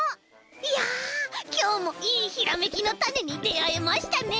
いやきょうもいいひらめきのたねにであえましたね！